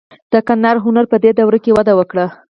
د ګندهارا هنر په دې دوره کې وده وکړه.